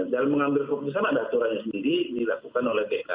dan mengambil komposisinya ada aturannya sendiri dilakukan oleh bk